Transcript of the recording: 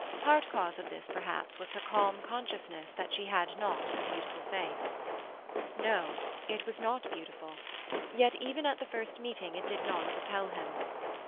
Part cause of this, perhaps, was her calm consciousness that she had not a beautiful face. No, it was not beautiful; yet even at the first meeting it did not repel him.